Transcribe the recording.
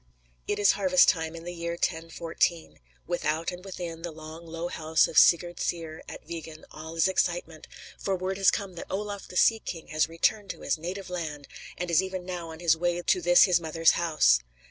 It is harvest time in the year 1014. Without and within the long, low house of Sigurd Syr, at Vigen, all is excitement; for word has come that Olaf the sea king has returned to his native land, and is even now on his way to this his mother's house.